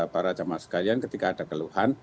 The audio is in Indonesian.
para jamaah sekalian ketika ada keluhan